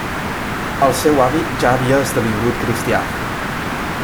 El seu avi ja havia esdevingut cristià.